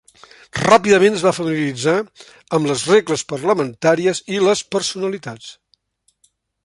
Ràpidament es va familiaritzar amb les regles parlamentàries i les personalitats.